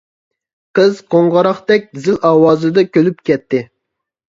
قىز قوڭغۇراقتەك زىل ئاۋازدا كۈلۈپ كەتتى.